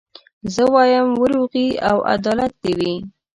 زه وايم وروغي او عدالت دي وي